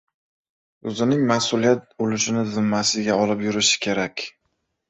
o‘zining mas’uliyat ulushini zimmasiga olib yurishi kerak.